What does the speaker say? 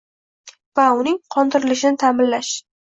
va uning qondirilishini ta’minlash;